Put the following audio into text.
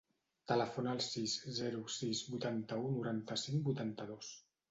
Telefona al sis, zero, sis, vuitanta-u, noranta-cinc, vuitanta-dos.